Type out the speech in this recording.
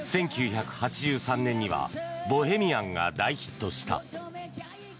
１９８３年には「ボヘミアン」が大ヒットした。